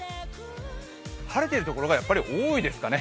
晴れているところがやっぱり多いですかね。